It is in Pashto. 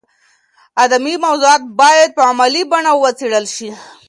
ادبي موضوعات باید په علمي بڼه وڅېړل شي.